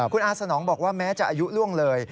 คุณอาสนองบอกว่าแม้จะอายุล่วงเลย